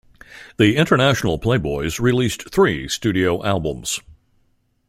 The International Playboys released three studio albums.